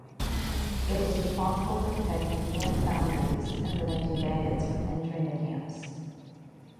It was responsible for protecting camp boundaries and preventing bandits from entering the camps.